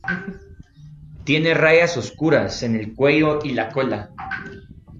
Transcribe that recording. Tiene rayas oscuras en el cuello y la cola.